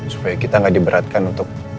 supaya kita nggak diberatkan untuk